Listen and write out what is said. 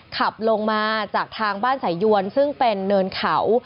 ขับลงมาจากทางบ้านสายยวนซึ่งเป็นเนินเขา